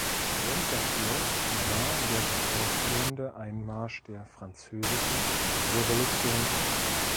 Grund dafür war der bevorstehende Einmarsch der französischen Revolutionstruppen.